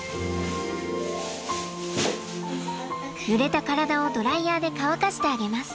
ぬれた体をドライヤーで乾かしてあげます。